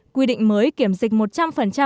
quy định mới kiểm dịch một trăm linh